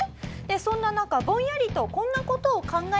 そんな中ぼんやりとこんな事を考え始めます。